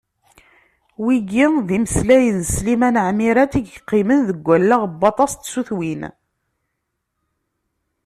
Wigi d imeslayen n Sliman Ɛmirat i yeqqimen deg wallaɣ n waṭas n tsutwin.